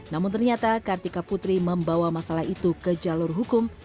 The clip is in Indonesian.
namun ternyata kartika putri membawa masalah itu ke jalur hukum